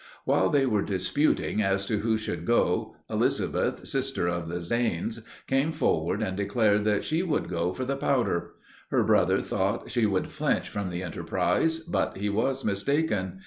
While they were disputing as to who should go, Elizabeth, sister of the Zanes, came forward and declared, that she would go for the powder. Her brother thought she would flinch from the enterprise, but he was mistaken.